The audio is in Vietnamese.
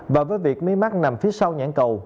và với việc miế mắt nằm phía sau nhãn cầu